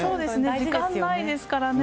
時間ないですからね。